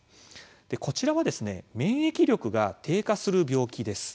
こちらは免疫力が低下する病気です。